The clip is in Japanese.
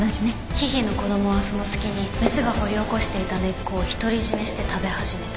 ヒヒの子供はその隙にメスが掘り起こしていた根っこを独り占めして食べ始めた。